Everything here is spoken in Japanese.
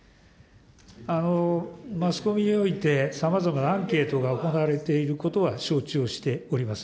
マスコミにおいて、さまざまなアンケートが行われていることは承知をしております。